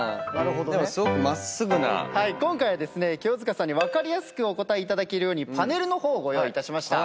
今回は清塚さんに分かりやすくお答えいただけるようにパネルの方ご用意いたしました。